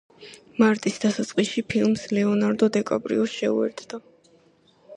მარტის დასაწყისში ფილმს ლეონარდო დიკაპრიო შეუერთდა.